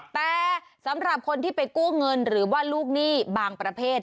แต่สำหรับคนที่ไปกู้เงินหรือว่าลูกหนี้บางประเภท